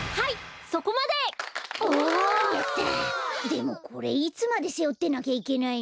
でもこれいつまでせおってなきゃいけないの？